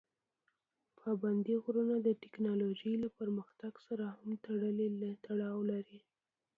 پابندي غرونه د تکنالوژۍ له پرمختګ سره هم تړاو لري.